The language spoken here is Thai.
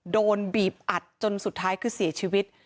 โดนบีบอัดจนสุดท้ายคือเสียชีวิต